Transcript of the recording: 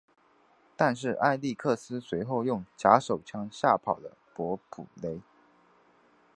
但是艾力克斯随后用假手枪吓跑了伯普雷。